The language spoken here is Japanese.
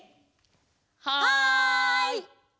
はい！